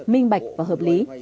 minh bạch và hợp lý